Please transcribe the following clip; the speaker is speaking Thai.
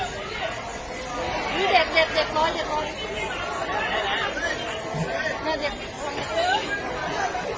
สุดท้ายสุดท้ายพื้นมันสิ